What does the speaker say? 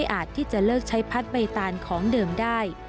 แต่ก็ไม่อาจที่จะเลิกใช้พัฒน์ใบตานของเดิมได้